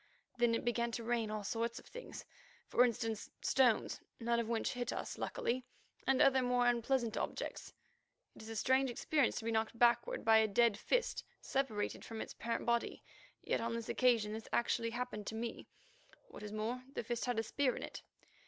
Then it began to rain all sorts of things. For instance, stones, none of which hit us, luckily, and other more unpleasant objects. It is a strange experience to be knocked backward by a dead fist separated from its parent body, yet on this occasion this actually happened to me, and, what is more, the fist had a spear in it.